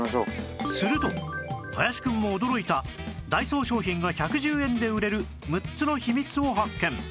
すると林くんも驚いたダイソー商品が１１０円で売れる６つの秘密を発見